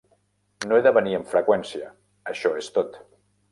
No he de venir amb freqüència, això és tot.